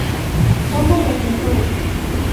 Somos los Mejores!